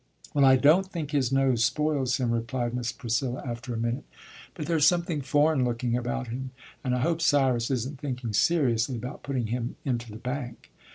"Well, I don't think his nose spoils him," replied Miss Priscilla after a minute, "but there's something foreign looking about him, and I hope Cyrus isn't thinking seriously about putting him into the bank."